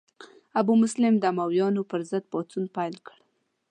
ابو مسلم د امویانو پر ضد پاڅون پیل کړ.